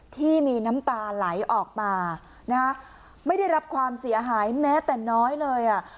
ที่มีน้ำตาไหลออกมานะฮะไม่ได้รับความเสียหายแม้แต่น้อยเลยอ่ะ